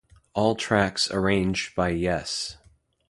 All tracks arranged by Yes.